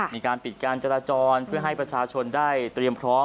มีการปิดการจราจรเพื่อให้ประชาชนได้เตรียมพร้อม